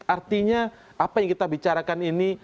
artinya apa yang kita bicarakan ini